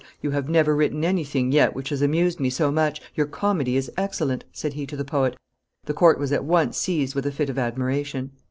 "You have never written anything yet which has amused me so much; your comedy is excellent," said he to the poet; the court was at once seized with a fit of admiration.